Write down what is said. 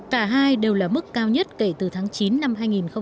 cả hai đều là mức cao nhất kể từ tháng chín năm hai nghìn một mươi tám